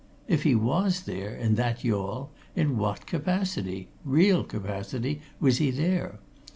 If he was there, in that yawl, in what capacity real capacity was he there?